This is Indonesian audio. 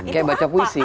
kayak baca puisi